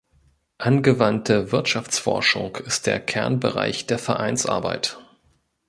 Angewandte Wirtschaftsforschung ist der Kernbereich der Vereinsarbeit.